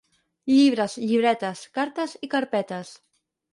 Llibres, llibretes, cartes i carpetes.